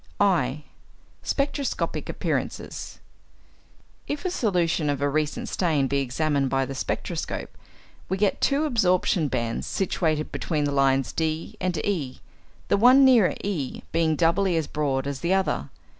(i) =Spectroscopic Appearances.= If a solution of a recent stain be examined by the spectroscope, we get two absorption bands situated between the lines D and E, the one nearer E being doubly as broad as the other.